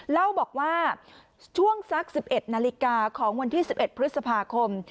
เล่าบอกว่าช่วงสัก๑๑นาฬิกาของวันที่๑๑พฤษภาคม